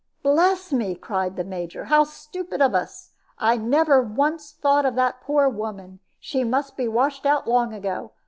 "Bless me!" cried the Major; "how stupid of us! I never thought once of that poor woman. She must be washed out long ago.